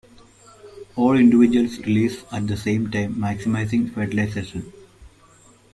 All individuals release at the same time, maximising fertilisation.